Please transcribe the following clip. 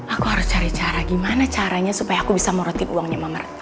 aku harus cari cara gimana caranya supaya aku bisa morotip uangnya mama